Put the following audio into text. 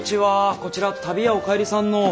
こちら旅屋おかえりさんの。